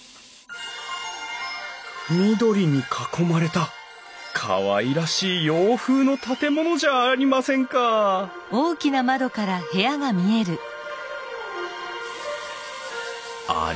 緑に囲まれたかわいらしい洋風の建物じゃありませんかあれ？